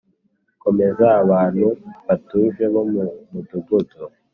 komeza abantu batuje bo mu mudugudu